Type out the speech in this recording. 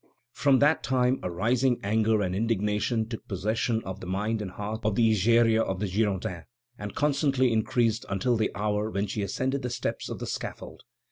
From that time a rising anger and indignation took possession of the mind and heart of the Egeria of the Girondins, and constantly increased until the hour when she ascended the steps of the scaffold.